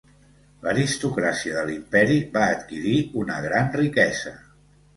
L'aristocràcia de l'imperi va adquirir una gran riquesa.